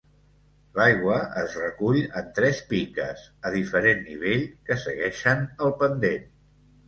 L'aigua es recull en tres piques, a diferent nivell, que segueixen el pendent.